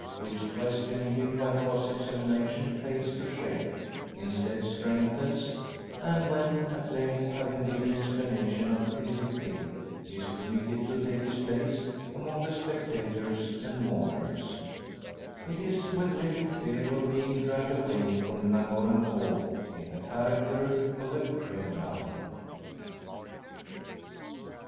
Which questioning him by cross examination fails to shake, instead strengthens; and, when, at length, having given explanation of everything, he is permitted to take his place among the spectators and mourners, it is with little fear of being dragged away from Llangorren Court in the character of a criminal.